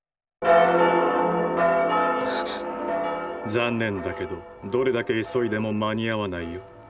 残念だけどどれだけ急いでも間に合わないよ。